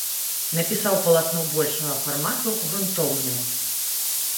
Напісаў палатно большага фармату, грунтоўнае.